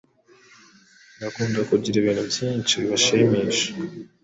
bakunda kugira ibintu byinshi bibashimisha